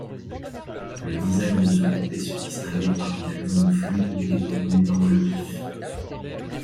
Le design de ce coupé se distinguait par une ligne fluide dépourvue d'angles vifs.